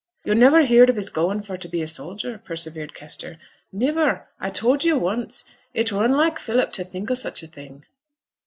'Yo' niver heared of his goin' for t' be a soldier?' persevered Kester. 'Niver. I've told yo' once. It were unlike Philip to think o' such a thing.'